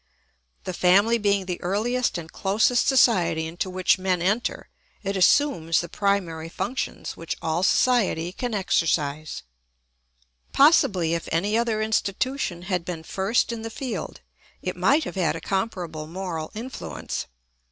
The family being the earliest and closest society into which men enter, it assumes the primary functions which all society can exercise. Possibly if any other institution had been first in the field it might have had a comparable moral influence.